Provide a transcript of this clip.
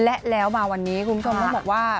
และแล้วมาวันนี้คุณผู้ชมต้องบอกว่า